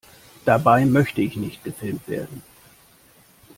Dabei möchte ich nicht gefilmt werden!